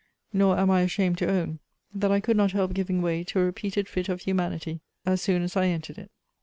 Nor am I ashamed to own, that I could not help giving way to a repeated fit of humanity, as soon as I entered it.